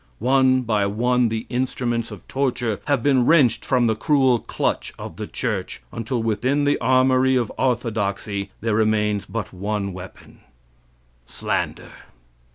One by one the instruments of torture have been wrenched from the cruel clutch of the church, until within the armory of orthodoxy there remains but one weapon Slander.